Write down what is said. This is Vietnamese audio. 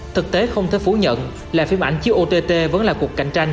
thực tế không thể phủ nhận là phim ảnh chiếc ott vẫn là cuộc cạnh tranh